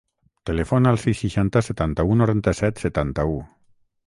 Telefona al sis, seixanta, setanta-u, noranta-set, setanta-u.